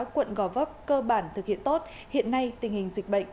quận gò vấp cơ bản thực hiện tốt hiện nay tình hình dịch bệnh